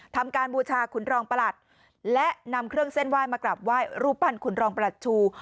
ทำการบูชาขุนรองประหลัดและนำเครื่องเส้นไหว้มากราบไหว้รูปปั้นขุนรองประชู